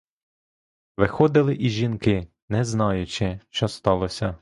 Виходили і жінки, не знаючи, що сталося.